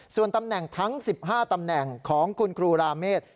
ส่วนตำแหน่งทั้ง๑๕ตำแหน่งของคุณครูราเมฆ